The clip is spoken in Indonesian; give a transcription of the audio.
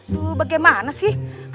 aduh bagaimana sih